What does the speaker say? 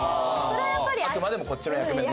あああくまでもこっちの役目。